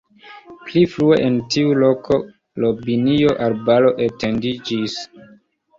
Pli frue en tiu loko robinio-arbaro etendiĝis.